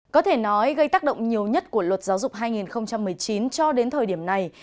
có thể nói gây tác động nhiều nhất của luật giáo dục hai nghìn một mươi chín cho đến thời điểm này